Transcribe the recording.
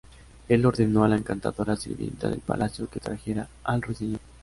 Él ordeno a la encantadora sirvienta del palacio que trajera al Ruiseñor.